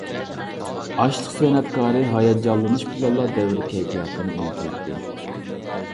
ئاچلىق سەنئەتكارى ھاياجانلىنىش بىلەنلا دەۋر كەيپىياتىنى ئۇنتۇيتتى.